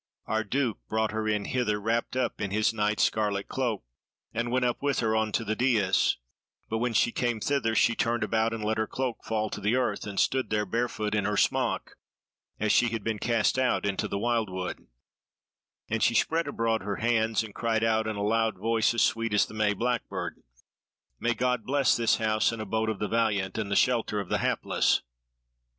Our Duke brought her in hither wrapped up in his knight's scarlet cloak, and went up with her on to the dais; but when she came thither, she turned about and let her cloak fall to earth, and stood there barefoot in her smock, as she had been cast out into the wildwood, and she spread abroad her hands, and cried out in a loud voice as sweet as the May blackbird, 'May God bless this House and the abode of the valiant, and the shelter of the hapless.'"